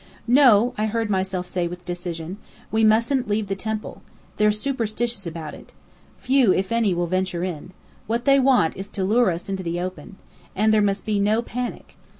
"No," I heard myself say with decision, "we mustn't leave the temple. They're superstitious about it. Few, if any, will venture in. What they want is to lure us into the open. And there must be no panic.